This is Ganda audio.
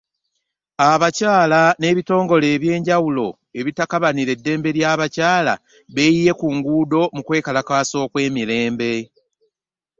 Abakyala n’ebitongole ebyenjawulo ebitakabanira eddembe ly’abakyala beeyiye ku nguudo mu kwekalakaasa okw’emirembe.